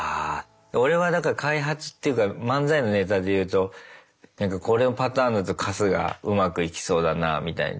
俺はだから開発っていうか漫才のネタでいうとこのパターンだと春日うまくいきそうだなみたいんで。